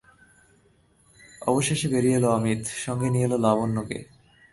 অবশেষে বেরিয়ে এল অমিত, সঙ্গে নিয়ে এল লাবণ্যকে।